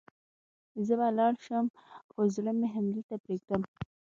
زه به لاړ شم، خو زړه مې همدلته پرېږدم.